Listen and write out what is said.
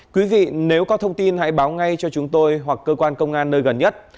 quý vị nếu có thông tin hãy báo ngay cho chúng tôi hoặc cơ quan công an nơi gần nhất